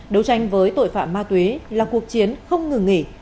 đấu tranh với tội phạm ma túy là cuộc chiến không ngừng nghỉ